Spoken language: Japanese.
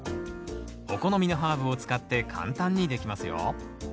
お好みのハーブを使って簡単にできますよ。